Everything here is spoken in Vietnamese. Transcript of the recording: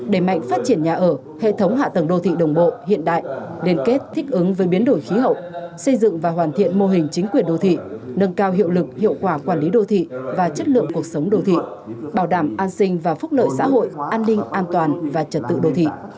đẩy mạnh phát triển nhà ở hệ thống hạ tầng đô thị đồng bộ hiện đại liên kết thích ứng với biến đổi khí hậu xây dựng và hoàn thiện mô hình chính quyền đô thị nâng cao hiệu lực hiệu quả quản lý đô thị và chất lượng cuộc sống đô thị bảo đảm an sinh và phúc lợi xã hội an ninh an toàn và trật tự đô thị